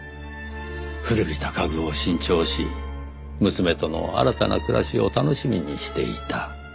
古びた家具を新調し娘との新たな暮らしを楽しみにしていた。